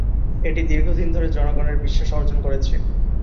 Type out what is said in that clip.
এটি দীর্ঘদিন ধরে জনগণের বিশ্বাস অর্জন করেছে।